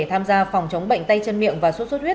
tham gia phòng chống bệnh tay chân miệng và sốt xuất huyết